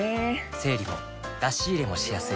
整理も出し入れもしやすい